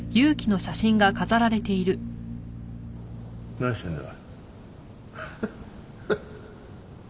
何してるんだ？